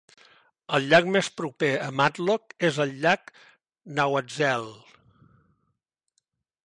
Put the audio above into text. El llac més proper a Matlock és el llac Nahwatzel.